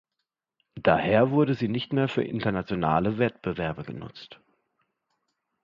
Daher wurde sie nicht mehr für internationale Wettbewerbe genutzt.